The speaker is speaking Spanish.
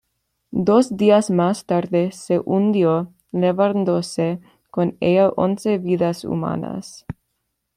Dos días más tarde se hundió llevándose con ella once vidas humanas.